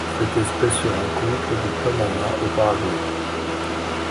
Cette espèce se rencontre du Panama au Paraguay.